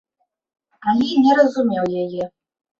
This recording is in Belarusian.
Але не разумеў яе.